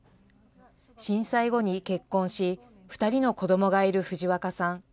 震災後に結婚し、２人の子どもがいる藤若さん。